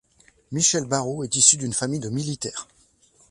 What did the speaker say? Michel Barro est issu d'une famille de militaires.